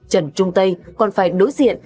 trần trung tây còn phải đối diện